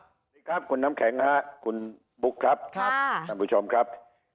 สวัสดีครับคุณน้ำแข็งฮะคุณบุ๊คครับครับท่านผู้ชมครับ